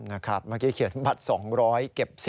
นะครับเมื่อกี้เขียนบัตร๒๐๐เก็บ๑๐